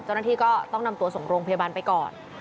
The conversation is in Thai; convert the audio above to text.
เจ้าหน้าที่ก็ต้องนำตัวส่งโรงพยาบาลไปก่อน